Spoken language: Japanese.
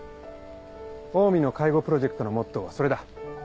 オウミの介護プロジェクトのモットーはそれだ。